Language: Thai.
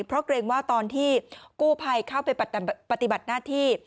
เพราะเกรงว่าตอนที่กู้ภัยเข้าไปปฏิบัติหน้าที่